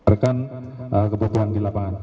rekan kebutuhan di lapangan